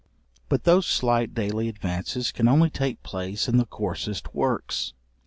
But those slight daily advances can only take place in the coarsest works.